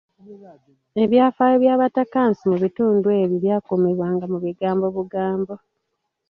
Ebyafaayo by’abatakansi mu bitundu ebyo byakuumibwanga mu bigambo bugambo.